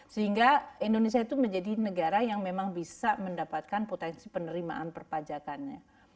sehingga indonesia itu menjadi negara yang memang bisa mendapatkan potensi penerimaan perpajakannya